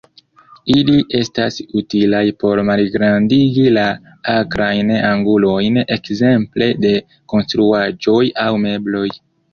Ili estas utilaj por malgrandigi la akrajn angulojn ekzemple de konstruaĵoj aŭ mebloj.